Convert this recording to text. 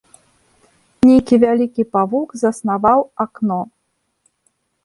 Нейкі вялікі павук заснаваў акно.